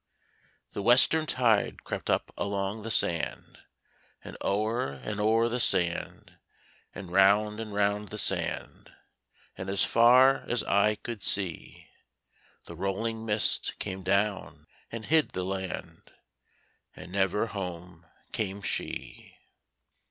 The western tide crept up along the sand, And o'er and o'er the sand, And round and round the sand, As far as eye could see. The rolling mist came down and hid the land: And never home came she.